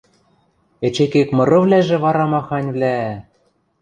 Эче кек мырывлӓжӹ вара маханьвлӓ!..